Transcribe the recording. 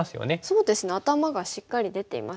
そうですね頭がしっかり出ていますしね。